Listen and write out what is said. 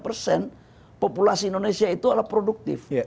enam puluh enam puluh dua persen populasi indonesia itu adalah produktif